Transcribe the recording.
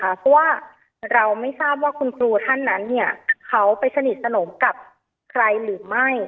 เพราะว่าเราไม่ทราบว่าคุณครูท่านนั้นเนี่ยเขาไปสนิทสนมกับใครหรือไม่